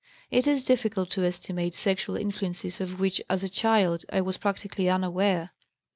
"It is difficult to estimate sexual influences of which as a child I was practically unaware.